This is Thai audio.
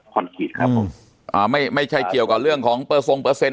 กรีตครับผมอ่าไม่ไม่ใช่เกี่ยวกับเรื่องของเปอร์ทรงเปอร์เซ็นต